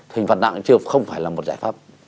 hình vật nặng chưa không phải là một giải pháp